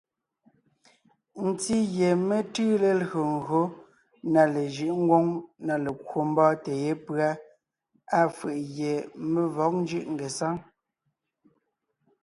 Ntí gie mé tʉʉ lelÿò ńgÿo na lejʉ̌ʼ ngwóŋ na lekwò mbɔ́ɔntè yépʉ́a, á fʉ̀ʼ gie mé vɔ̌g ńjʉ́ʼ ngesáŋ.